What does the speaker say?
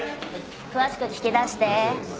詳しく聞き出して。